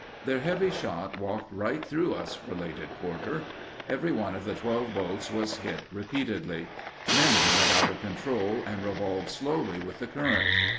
"Their heavy shot walked right through us," related Porter. Every one of the 12 boats was hit repeatedly. Many went out of control and revolved slowly with the current.